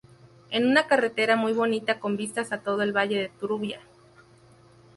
Es una Carretera muy bonita con vistas a todo el Valle de Trubia.